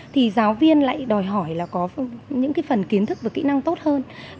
thì giáo viên lại đòi hỏi là có những cái phần kiến thức và kỹ năng tốt hơn